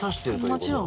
もちろん。